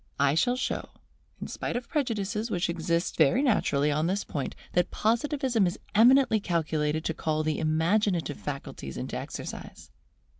I shall show, in spite of prejudices which exist very naturally on this point, that Positivism is eminently calculated to call the Imaginative faculties into exercise.